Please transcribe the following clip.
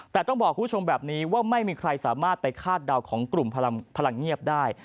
แต่ต้องบอกคุณผู้ชมแบบนี้ว่าไม่มีใครสามารถไปคาดเดาของกลุ่มพลังเงียบได้